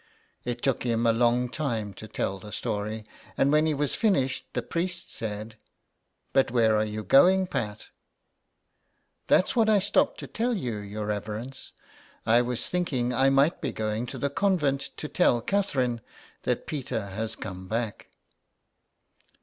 It took him a long time to tell the story, and when he was finished the priest said :—" But where are you going, Pat ?"'' That's what I stopped to tell you, your reverence. I was thinking I might be going to the convent to tell Catherine that Peter has come back."